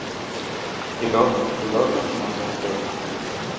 Et l’homme, et l’homme ? murmurait-elle.